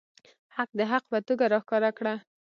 حق د حق په توګه راښکاره کړه.